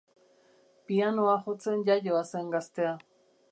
Pianoa jotzen iaioa zen gaztea.